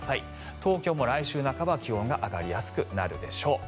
東京も来週半ばは気温が上がりやすくなるでしょう。